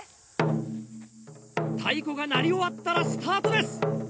太鼓が鳴り終わったらスタートです！